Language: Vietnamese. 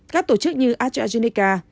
các tổ chức như astrazeneca